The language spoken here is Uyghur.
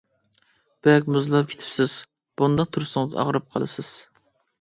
بەك مۇزلاپ كېتىپسىز، بۇنداق تۇرسىڭىز ئاغرىپ قالىسىز.